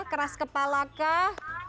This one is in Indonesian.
keras kepala kah